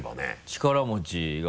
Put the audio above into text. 力持ちが。